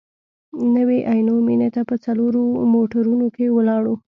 نوي عینو مېنې ته په څلورو موټرونو کې ولاړو.